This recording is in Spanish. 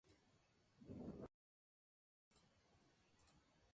El edificio contenía, además un pequeño teatro y una "galerie".